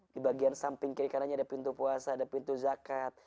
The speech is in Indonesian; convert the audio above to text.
di bagian samping kiri kanannya ada pintu puasa ada pintu zakat